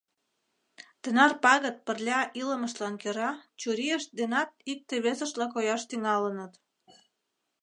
Тынар пагыт пырля илымыштлан кӧра чурийышт денат икте-весыштла кояш тӱҥалыныт.